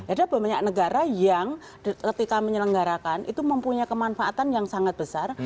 ada banyak negara yang ketika menyelenggarakan itu mempunyai kemanfaatan yang sangat besar